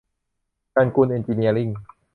กันกุลเอ็นจิเนียริ่ง